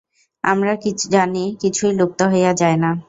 আমরা জানি, কিছুই লুপ্ত হইয়া যায় না।